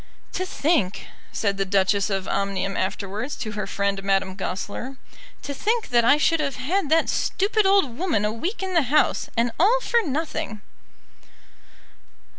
"To think," said the Duchess of Omnium afterwards to her friend Madame Goesler, "to think that I should have had that stupid old woman a week in the house, and all for nothing!"